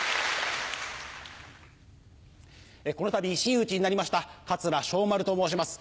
このたび真打になりました桂翔丸と申します。